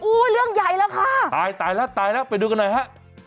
เรื่องใหญ่แล้วค่ะตายตายแล้วตายแล้วไปดูกันหน่อยฮะ